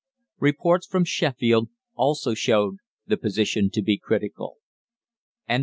Reports from Sheffield also showed the position to be critical. BOOK II.